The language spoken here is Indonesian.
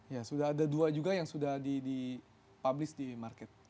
ya sudah ada dua juga yang sudah dipublish di market